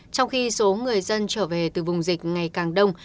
trong khi số người dân trở về từ vùng dịch ngày càng đông